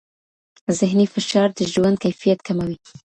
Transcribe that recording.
ذهني فشار د ژوند کیفیت کموي.